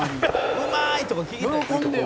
「うまーい！とか聞きたいですよ」